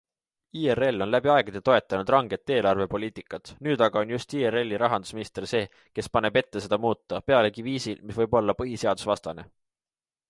IRL on läbi aegade toetanud ranget eelarvepoliitikat, nüüd aga on just IRL rahandusminister see, kes paneb ette seda muuta, pealegi viisil, mis võib olla põhiseadusvastane.